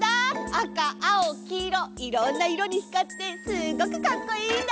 あかあおきいろいろんないろにひかってすごくかっこいいんだよ。